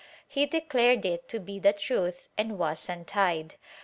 He declared it to be the truth and was untied.